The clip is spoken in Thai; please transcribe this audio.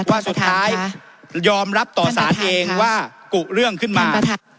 ว่าสุดท้ายยอมรับต่อสารเองว่ากุเรื่องขึ้นมา